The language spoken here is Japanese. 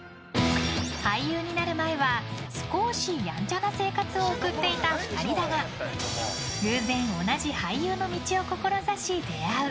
俳優になる前は少しやんちゃな生活を送っていた２人だが偶然、同じ俳優の道を志し出会う。